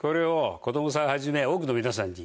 子どもさんはじめ多くの皆さんに。